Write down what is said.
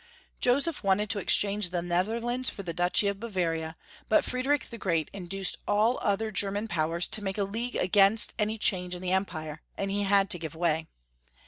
Joseph wanted to exchange the Netherlands for the duchy of Bavaria, but Friedrich the Great in duced all the other German powers to make a league against any change in the Empire, and he had to give way.